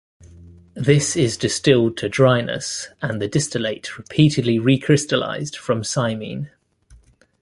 This is distilled to dryness and the distillate repeatedly recrystallized from cymene.